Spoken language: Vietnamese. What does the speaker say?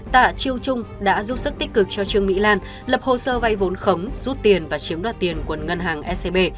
tạ chiêu trung đã giúp sức tích cực cho trương mỹ lan lập hồ sơ vay vốn khống rút tiền và chiếm đoạt tiền của ngân hàng scb